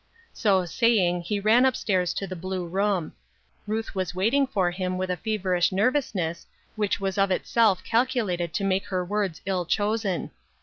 So saying he ran up stairs to the blue room. Ruth was waiting for him with a feverish nervous ness, which was of itself calculated to make her words ill chosen.